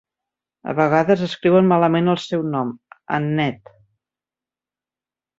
A vegades escriuen malament el seu nom: "Annett.